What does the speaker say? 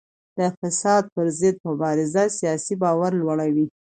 د فساد پر ضد مبارزه سیاسي باور لوړوي